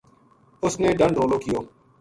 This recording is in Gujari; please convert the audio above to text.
اس نے ڈَنڈ رولو